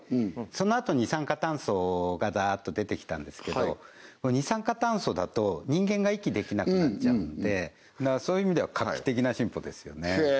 そのあと二酸化炭素がダーっと出てきたんですけど二酸化炭素だと人間が息できなくなっちゃうんでそういう意味では画期的な進歩ですよね